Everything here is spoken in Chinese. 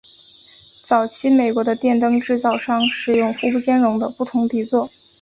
早期美国的电灯制造商使用互不兼容的不同底座。